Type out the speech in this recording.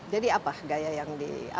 jadi apa gaya yang dilakukan